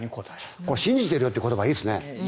これ、信じてるぞって言葉いいですね。